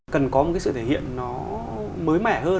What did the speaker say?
cần có một cái sự thể hiện nó mới mẻ hơn